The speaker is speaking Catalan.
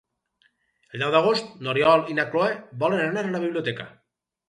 El deu d'agost n'Oriol i na Cloè volen anar a la biblioteca.